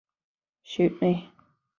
Shoot me!